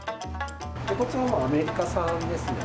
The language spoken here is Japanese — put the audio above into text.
こちらアメリカ産ですね。